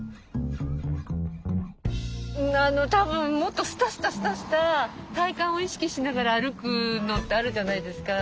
たぶんもっとスタスタスタスタ体幹を意識しながら歩くのってあるじゃないですか。